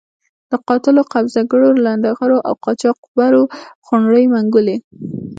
د قاتلو، قبضه ګرو، لنډه غرو او قاچاق برو خونړۍ منګولې.